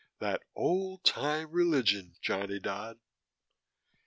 "That old time religion, Johnny Dodd."